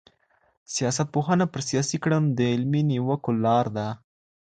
سياستپوهنه پر سياسي کړنو د علمي نيوکو لاره ده.